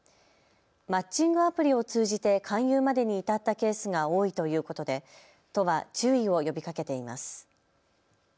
マッチングアプリを通じて勧誘までに至ったケースが多いということで都は注意を呼びかけています。